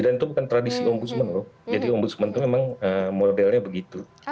dan itu bukan tradisi om busman loh jadi om busman itu memang modelnya begitu